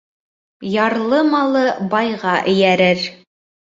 Ярлы малы байға эйәрер.